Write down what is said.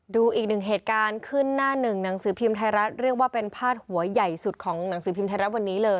ดูอีกหนึ่งเหตุการณ์ขึ้นหน้าหนึ่งหนังสือพิมพ์ไทยรัฐเรียกว่าเป็นพาดหัวใหญ่สุดของหนังสือพิมพ์ไทยรัฐวันนี้เลย